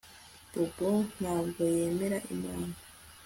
Bobo ntabwo yemera Imana